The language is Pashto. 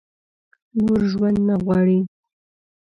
نور ژوند نه غواړي ؟